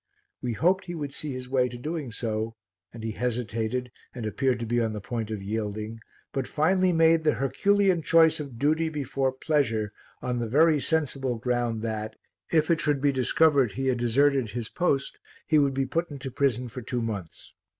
We hoped he would see his way to doing so and he hesitated and appeared to be on the point of yielding, but finally made the Herculean choice of duty before pleasure on the very sensible ground that, if it should be discovered he had deserted his post, he would be put into prison for two months.